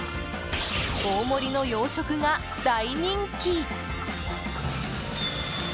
大盛りの洋食が大人気。